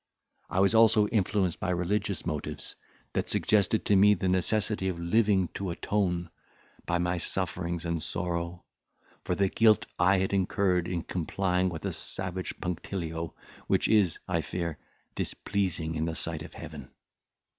I was also influenced by religious motives that suggested to me the necessity of living to atone, by my sufferings and sorrow, for the guilt I had incurred in complying with a savage punctilio, which is, I fear, displeasing in the sight of Heaven.